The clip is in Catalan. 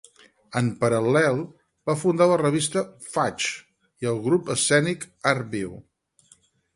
En paral·lel va fundar la revista ‘Faig’ i el grup escènic ‘Art Viu’.